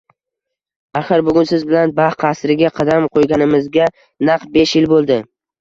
Axir bugun siz bilan baxt qasriga qadam qo`yganimizga naq besh yil bo`ldi